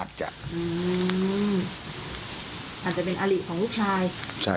อาจจะเป็นอลิของลูกชาย